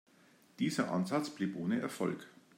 Dieser Ansatz blieb ohne Erfolg.